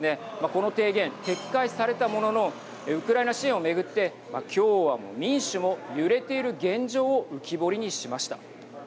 この提言撤回されたもののウクライナ支援を巡って共和も民主も揺れている現状を浮き彫りにしました。